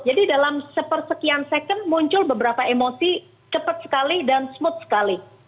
jadi dalam sepersekian second muncul beberapa emosi cepat sekali dan smooth sekali